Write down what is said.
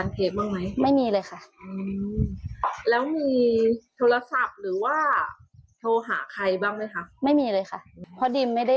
แน่ความคืบหน้าทางคดี